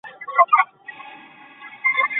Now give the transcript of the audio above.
终审法院是香港最高的上诉法院。